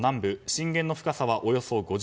震源の深さはおよそ５０ｋｍ。